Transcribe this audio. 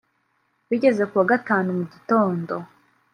Bigeze ku wa Gatanu mu gitondo